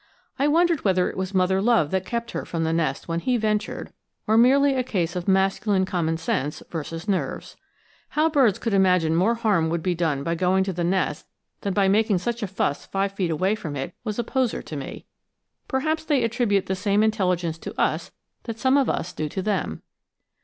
I wondered whether it was mother love that kept her from the nest when he ventured, or merely a case of masculine common sense versus nerves. How birds could imagine more harm would be done by going to the nest than by making such a fuss five feet away from it was a poser to me. Perhaps they attribute the same intelligence to us that some of us do to them!